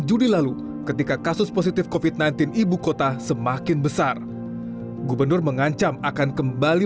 juli lalu ketika kasus positif kofit sembilan belas ibu kota semakin besar gubernur mengancam akan kembali